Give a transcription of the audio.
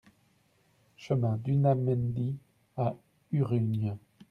Chemin d'Unamendi à Urrugne